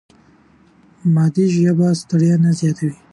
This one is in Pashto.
مادي ژبه ستړیا نه زیاتوي.